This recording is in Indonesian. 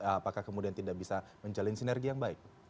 apakah kemudian tidak bisa menjalin sinergi yang baik